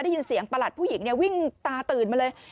ได้ยินเสียงประหลัดผู้หญิงวิ่งตาตื่นมาเลย